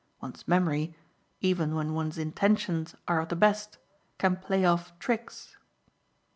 One's memory, even when one's intentions are of the best, can play off tricks."